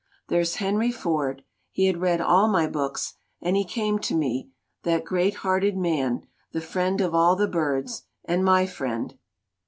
There's Henry Ford; he had read all my books, and he came to me that great hearted man, the friend of all the birds, and my friend.